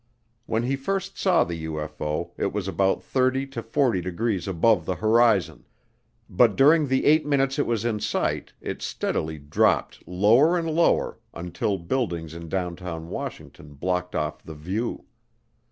When he first saw the UFO, it was about 30 to 40 degrees above the horizon, but during the eight minutes it was in sight it steadily dropped lower and lower until buildings in downtown Washington blocked off the view.